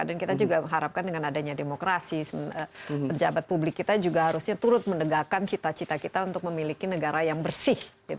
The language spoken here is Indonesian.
dan kita juga mengharapkan dengan adanya demokrasi pejabat publik kita juga harusnya turut menegakkan cita cita kita untuk memiliki negara yang bersih